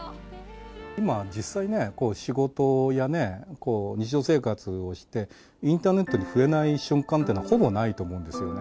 今、実際ね、仕事やね、日常生活をして、インターネットに触れない瞬間というのはほぼないと思うんですよね。